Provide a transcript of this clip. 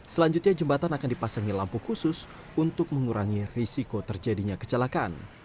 selanjutnya jembatan akan dipasangi lampu khusus untuk mengurangi risiko terjadinya kecelakaan